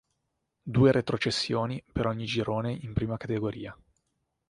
Due retrocessioni per ogni girone in Prima Categoria.